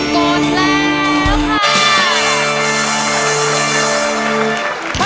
กดแล้วค่ะ